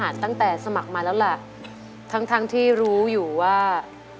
ทั้งที่รู้ว่า